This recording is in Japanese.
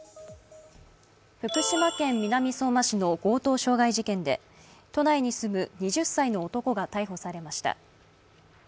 福島県南相馬市の強盗傷害事件で都内に住む２０歳の男が逮捕されました。